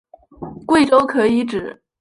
贵州可以指